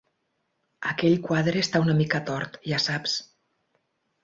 Aquell quadre està una mica tort, ja saps.